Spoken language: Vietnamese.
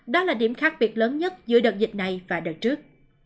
đó là điểm khác biệt lớn nhất giữa đợt dịch này và đợt trước